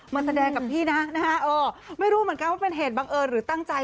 มาแสดงกับพี่นะนะฮะเออไม่รู้เหมือนกันว่าเป็นเหตุบังเอิญหรือตั้งใจ